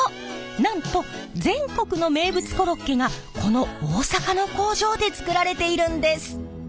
なんと全国の名物コロッケがこの大阪の工場で作られているんです！